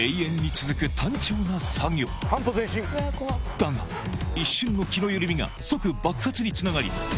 だが一瞬の気の緩みが即爆発につながりうわ。